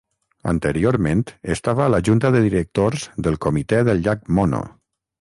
Anteriorment estava a la junta de directors del Comitè del Llac Mono.